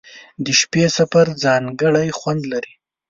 • د شپې سفر ځانګړی خوند لري.